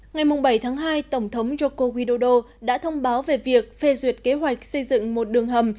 ngày bảy tháng hai tổng thống joko widodo đã thông báo về việc phê duyệt kế hoạch xây dựng một đường hầm